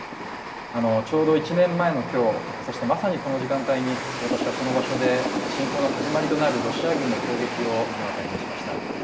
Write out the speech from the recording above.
ちょうど１年前の今日、そしてまさにこの時間帯に、私はこの場所で、侵攻の始まりとなるロシア軍の攻撃を目の当たりにしました。